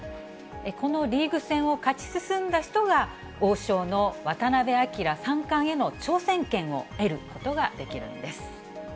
このリーグ戦を勝ち進んだ人が、王将の渡辺明三冠への挑戦権を得ることができるんです。